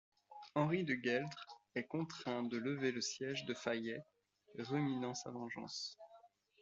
Henri de Gueldre est contraint de lever le siège de Fallais, ruminant sa vengeance.